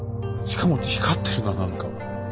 しかも光ってるな何か。